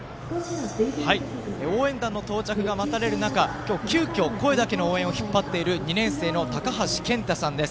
応援団の到着が待たれる中、今日、急きょ声だけの応援を引っ張っている２年生のたかはしさんです。